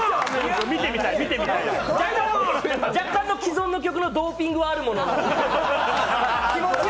若干、既存の曲のドーピングはあるものの。